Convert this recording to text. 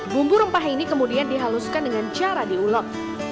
bumbu rempah ini kemudian dihaluskan dengan cara diulek